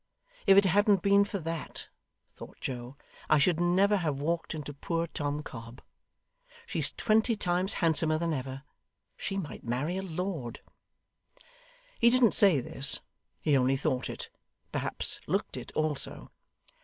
'If it hadn't been for that,' thought Joe, 'I should never have walked into poor Tom Cobb. She's twenty times handsomer than ever. She might marry a Lord!' He didn't say this. He only thought it perhaps looked it also.